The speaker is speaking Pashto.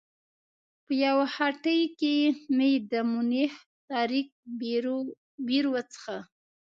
په یوه هټۍ کې مې د مونیخ تاریک بیر وڅښه.